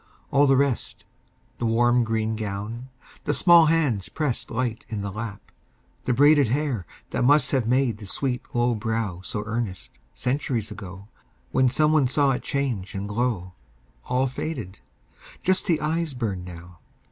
All the rest The warm green gown, the small hands pressed Light in the lap, the braided hair That must have made the sweet low brow So earnest, centuries ago, When some one saw it change and glow All faded! Just the eyes burn now.